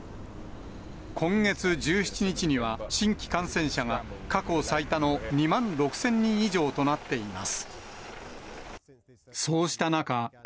今月１７日には、新規感染者が過去最多の２万６０００人以上となっています。